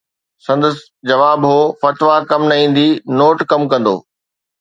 سندس جواب هو: فتويٰ ڪم نه ايندي، نوٽ ڪم ڪندو.